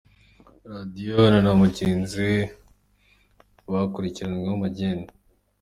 Radiyo na Namugenziwe bakurikiranweho magendu